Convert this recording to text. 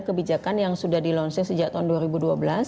kebijakan yang sudah di launching sejak tahun dua ribu dua belas